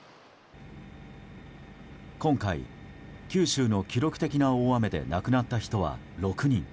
今回、九州の記録的な大雨で亡くなった人は６人。